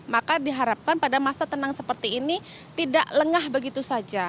maka diharapkan pada masa tenang seperti ini tidak lengah begitu saja